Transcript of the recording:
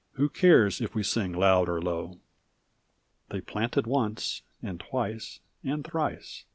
Who cares if we sing loud or low?" 11191 They planted once, and twice, and thrice.